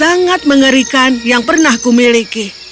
yang sangat mengerikan yang pernah kumiliki